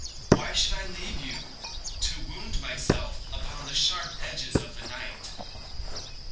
Why should I leave you, To wound myself upon the sharp edges of the night?